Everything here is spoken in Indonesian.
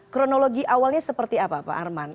kronologi awalnya seperti apa pak arman